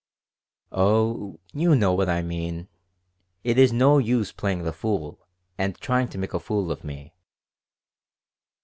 "Oh, you know what I mean. It is no use playing the fool and trying to make a fool of me."